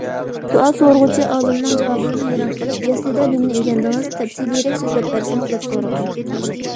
سوئال سورىغۇچى ئالىمنىڭ جاۋابىدىن ھەيران قېلىپ‹‹ يەسلىدە نېمىنى ئۆگەندىڭىز؟ تەپسىلىيرەك سۆزلەپ بەرسىڭىز›› دەپ سورىغان.